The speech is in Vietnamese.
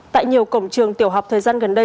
tại nhiều cổng trường tiểu học thời gian gần đây